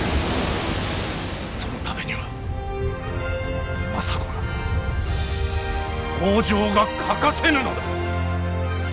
そのためには政子が北条が欠かせぬのだ。